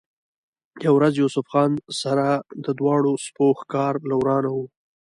يوه ورځ يوسف خان سره د دواړو سپو ښکار له روان وۀ